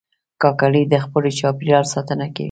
کاکړي د خپل چاپېریال ساتنه کوي.